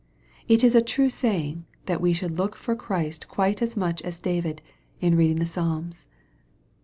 It is a true raying, that we should look for Christ quite as much as David, in reading the Psalms.